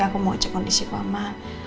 aku mau cek kondisi mama